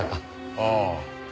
ああ。